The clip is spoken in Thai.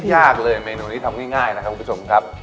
ยากเลยเมนูนี้ทำง่ายนะครับคุณผู้ชมครับ